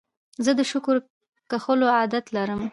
زه د شکر کښلو عادت لرم.